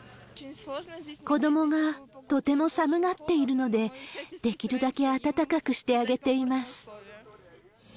子どもがとても寒がっているので、できるだけ暖かくしてあげています。